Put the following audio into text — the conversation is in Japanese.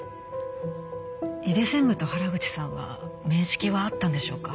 井出専務と原口さんは面識はあったんでしょうか？